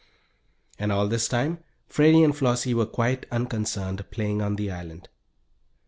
And all this time Freddie and Flossie were quite unconcerned playing on the island.